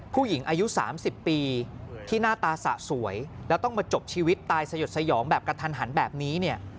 ผู้หญิงอายุ๓๐ปีที่หน้าตาสะสวยแล้วต้องมาจบชีวิตตายสยดสยองแบบกระทันหันแบบนี้เนี่ย